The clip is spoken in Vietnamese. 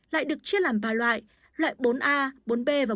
lại được chia làm ba loại loại bốn a bốn b và bốn c